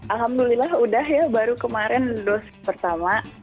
alhamdulillah udah ya baru kemarin dosis pertama